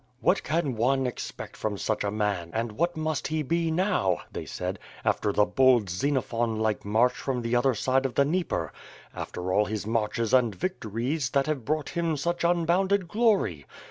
"What can one expect from such a man, and what must he be now,V they said, "after the bold Xenophon like march from the other side of the Dnieper; after all his marches and victories, that have brought him such unbounded glory.